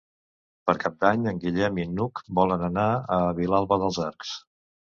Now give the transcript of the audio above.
Per Cap d'Any en Guillem i n'Hug volen anar a Vilalba dels Arcs.